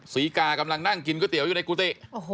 ศรีกากำลังนั่งกินก๋วยเตี๋ยวอยู่ในกุฏิ